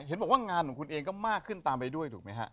เห็นบอกว่างานของคุณเองก็มากขึ้นตามไปด้วยถูกไหมฮะ